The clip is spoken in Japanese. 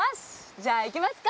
じゃあ行きますか！